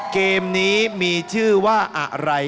เกมนี้มีชื่อว่าอะไร